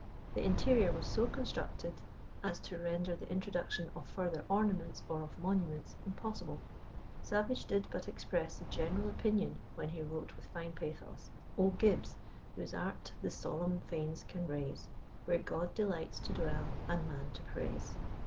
The interior was so constructed as to render the introduction of further ornaments or of monuments impossible. Savage did but express the general opinion when he wrote with fine pathos "O Gibbs! whose art the solemn fanes can raise, Where God delights to dwell and man to praise."